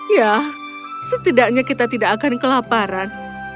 ya setidaknya kita tidak akan kelaparan